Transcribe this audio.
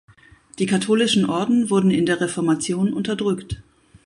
Die katholischen Orden wurden in der Reformation unterdrückt.